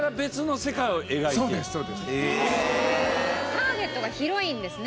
ターゲットが広いんですね。